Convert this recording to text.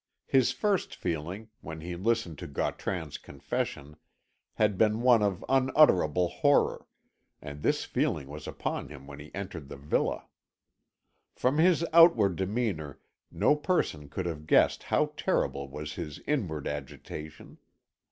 His first feeling, when he listened to Gautran's confession, had been one of unutterable horror, and this feeling was upon him when he entered the villa. From his outward demeanour no person could have guessed how terrible was his inward agitation.